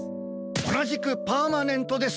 おなじくパーマネントです。